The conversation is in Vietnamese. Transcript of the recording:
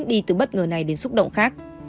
hay đến xúc động khác